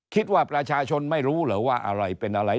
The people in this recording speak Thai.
คิดว่าประชาชนไม่รู้เหรอว่าอะไรเป็นอะไร